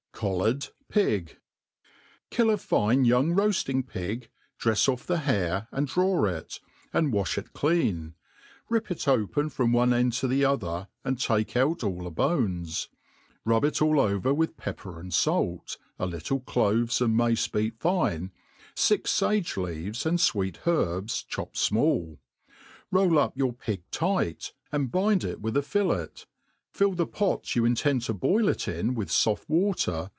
Collared Pig. KILL a fine young roafting pig, drefs ofFthe Hair and dra\;^ it, and wafli it clean, rip it open from one end to the other, ind take oiit all the bones ;, rub it all over with pepper and fait, a little cloves and mace beat fine, fix fage leaves and fweet herbs chopt fmall; roll up your pig tight, and bind it with a filler^ fill the pot you intend to boil it in with foft water